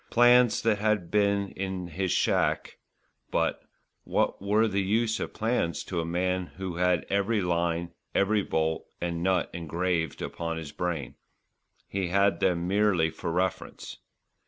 Plans there had been in his shack; but what were the use of plans to a man who had every line, every bolt and nut engraved upon his brain. He had them merely for reference.